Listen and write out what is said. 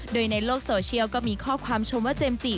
โดยในโลกโซเชียลก็มีข้อความชมว่าเจมส์จิ